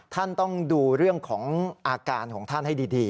ท่านต้องดูเรื่องของอาการของท่านให้ดี